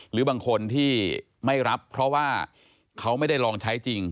หรือบางคนที่ไม่รับเพราะว่าเขาไม่ได้ลองใช้จริง